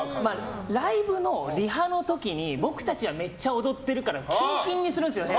ライブのリハの時に僕たちはめっちゃ踊ってるからキンキンにするんですよね。